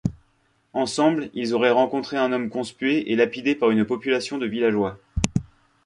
Ensemble, ils auraient rencontré un homme conspué et lapidé par une population de villageois.